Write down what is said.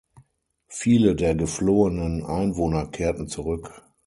Viele der geflohenen Einwohner kehrten zurück.